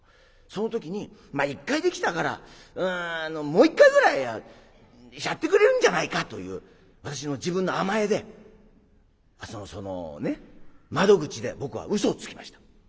その時にまあ１回できたからもう一回ぐらいやってくれるんじゃないかという私の自分の甘えで窓口で僕は嘘をつきました。